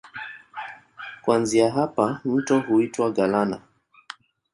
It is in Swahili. Kuanzia hapa mto huitwa Galana.